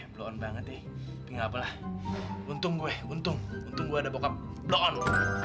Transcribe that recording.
belon banget ini tapi gapalah untung gue untung gue ada bokap belon